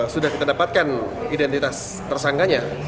sudah kita dapatkan identitas tersangkanya